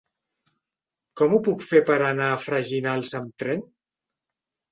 Com ho puc fer per anar a Freginals amb tren?